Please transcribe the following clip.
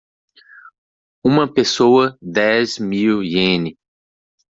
Uma pessoa dez mil iene